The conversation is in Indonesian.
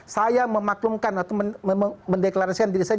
saya memaklumkan atau mendeklarasikan diri saya